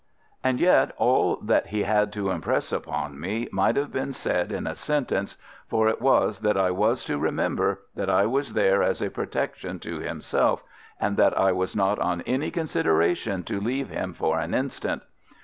And yet all that he had to impress upon me might have been said in a sentence, for it was that I was to remember that I was there as a protection to himself, and that I was not on any consideration to leave him for an instant.